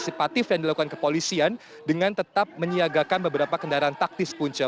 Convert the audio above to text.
simpatif yang dilakukan kepolisian dengan tetap menyiagakan beberapa kendaraan taktis punca